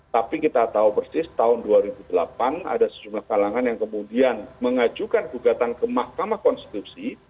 tapi kita tahu persis tahun dua ribu delapan ada sejumlah kalangan yang kemudian mengajukan gugatan ke mahkamah konstitusi